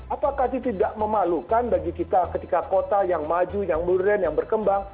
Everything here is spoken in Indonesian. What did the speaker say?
apakah itu tidak memalukan bagi kita ketika kota yang maju yang modern yang berkembang